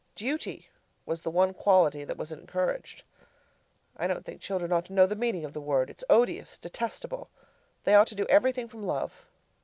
Duty was the one quality that was encouraged. I don't think children ought to know the meaning of the word; it's odious, detestable. They ought to do everything from love.